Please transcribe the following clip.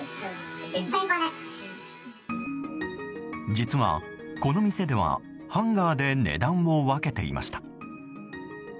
実は、この店ではハンガーで値段を分けていました。